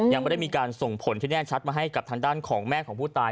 ยังไม่ได้มีการส่งผลที่แน่ชัดมาให้กับทางด้านของแม่ของผู้ตาย